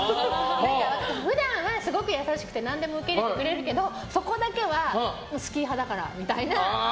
普段はすごく優しくて何でも受け入れてくれるけどそこだけはスキー派だからみたいな。